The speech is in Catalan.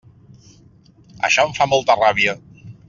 Això em fa molta ràbia.